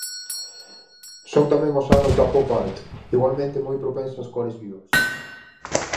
Son tamén os anos da pop art, igualmente moi propensa ás cores vivas.